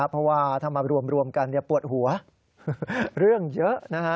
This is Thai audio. เพราะว่าถ้ามารวมกันปวดหัวเรื่องเยอะนะฮะ